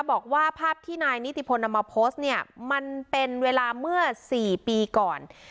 บอกว่าภาพที่นายนิติพลนำมาโพสต์เนี่ยมันเป็นเวลาเมื่อ๔ปีก่อน